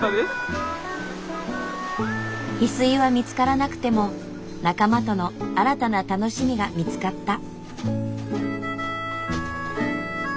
ヒスイは見つからなくても仲間との新たな楽しみが見つかった。